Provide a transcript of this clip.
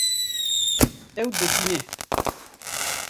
Ew dibîne